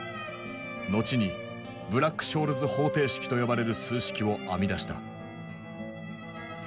後に「ブラック・ショールズ方程式」と呼ばれる数式を編み出した。